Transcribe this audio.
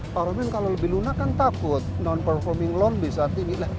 pak romil kalau lebih luna kan takut non performing loan bisa tinggi